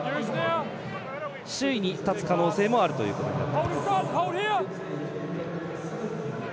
首位に立つ可能性もあるということになります。